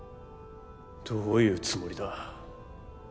どういうつもりだ。